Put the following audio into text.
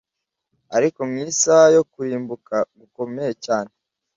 ariko mu isaha yo kurimbuka gukomeye cyane